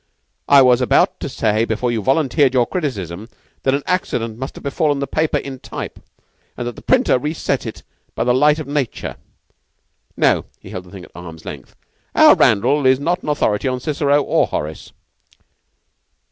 "I was about to say, before you volunteered your criticism, that an accident must have befallen the paper in type, and that the printer reset it by the light of nature. No " he held the thing at arm's length "our Randall is not an authority on Cicero or Horace."